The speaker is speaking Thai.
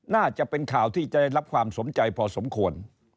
น่าจะเป็นข่าวที่จะได้รับความสนใจพอสมควร